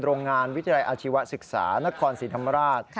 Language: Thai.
โรงงานวิทยาลัยอาชีวศึกษานครศรีธรรมราช